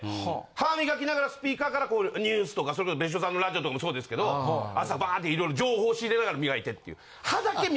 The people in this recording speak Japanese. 歯磨きながらスピーカーからニュースとかそういうの別所さんのラジオとかもそうですけど朝バーッて色々情報仕入れながら磨いてっていう。